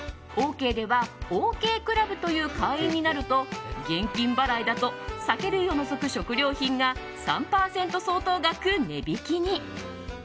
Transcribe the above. オーケーではオーケークラブという会員になると現金払いだと酒類を除く食料品が３％相当額値引きに。